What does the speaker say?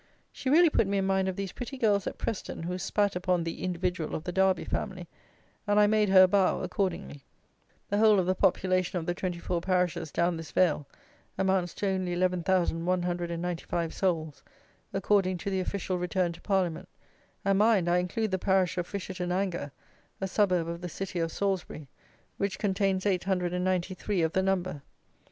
She really put me in mind of the pretty girls at Preston who spat upon the "individual" of the Derby family, and I made her a bow accordingly. The whole of the population of the twenty four parishes down this vale, amounts to only 11,195 souls, according to the Official return to Parliament; and, mind, I include the parish of Fisherton Anger (a suburb of the city of Salisbury), which contains 893 of the number.